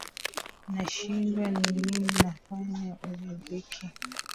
nashindwa ni nini ntafanya uridhike